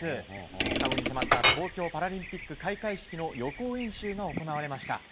２日後に迫った東京パラリンピック開会式の予行演習が行われました。